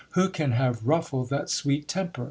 Who can have ruffled that sweet temper